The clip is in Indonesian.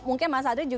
mungkin mas adri juga